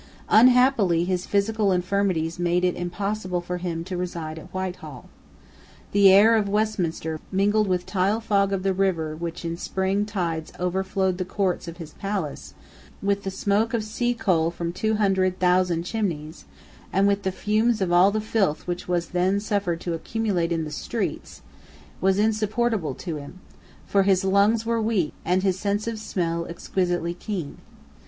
Unhappily his physical infirmities made it impossible for him to reside at Whitehall. The air of Westminster, mingled with the fog of the river which in spring tides overflowed the courts of his palace, with the smoke of seacoal from two hundred thousand chimneys, and with the fumes of all the filth which was then suffered to accumulate in the streets, was insupportable to him; for his lungs were weak, and his sense of smell exquisitely keen.